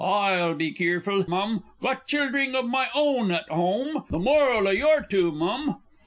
I'll be keerful, Mum got childring o' my own at 'ome the moral o' your two, Mum!